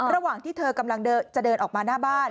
ระหว่างที่เธอกำลังจะเดินออกมาหน้าบ้าน